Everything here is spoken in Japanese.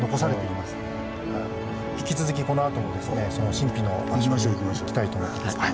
引き続きこのあともその神秘の場所に行きたいと思います。